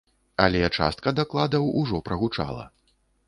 Але частка дакладаў ужо прагучала.